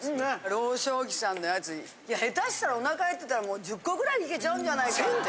老祥記さんのやつ下手したらお腹減ってたらもう１０個位いけるんじゃないかって。